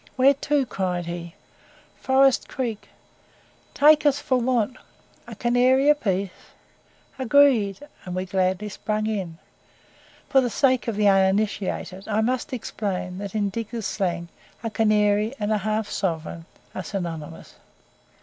"Where to?" cried he. "Forest Creek." "Take us for what?" "A canary a piece." "Agreed." And we gladly sprung in. For the sake of the uninitiated, I must explain that, in digger's slang, a "canary" and half a sovereign are synonymous.